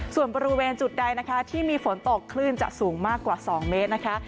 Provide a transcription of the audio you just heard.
ส่วนบริเวณจุดใดนะคะที่มีฝนตกคลื่นจะสูงมากกว่า๒เมตรนะคะ